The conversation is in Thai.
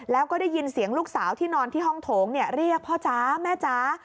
แล้วก็ได้ยินเสียงลูกสาวที่นอนที่ห้องโถงเรียกพ่อจ๊ะแม่จ๋า